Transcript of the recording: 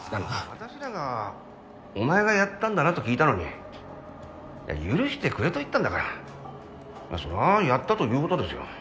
私らがお前がやったんだなと聞いたのにいや許してくれと言ったんだからまあそりゃあやったということですよ。